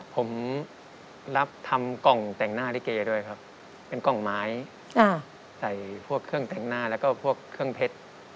ผมรับทำกล่องแต่งหน้าลิเกด้วยครับเป็นกล่องไม้ใส่พวกเครื่องแต่งหน้าแล้วก็พวกเครื่องเพชร